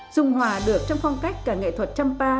dùng hòa được trong phong cách cả nghệ thuật champa và khơ me